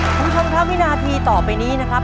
คุณผู้ชมครับวินาทีต่อไปนี้นะครับ